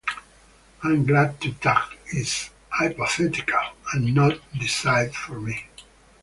I'm glad the tag is, "hypothetical," and not, "decide for me."